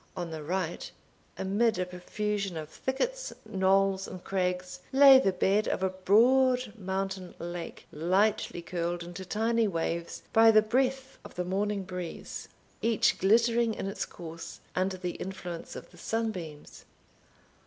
On the right, amid a profusion of thickets, knolls, and crags, lay the bed of a broad mountain lake, lightly curled into tiny waves by the breath of the morning breeze, each glittering in its course under the influence of the sunbeams.